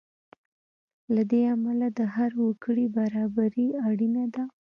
له دې امله د هر وګړي برابري اړینه ده.